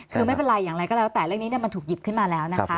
คือไม่เป็นไรอย่างไรก็แล้วแต่เรื่องนี้มันถูกหยิบขึ้นมาแล้วนะคะ